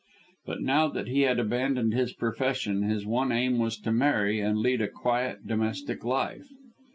But now that he had abandoned his profession his one aim was to marry and lead a quiet domestic life.